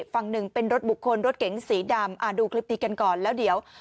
ฝั่งหนึ่งเป็นรถบุคคลรถเก๋งสีดำดูคลิปนี้กันก่อนแล้วเดี๋ยว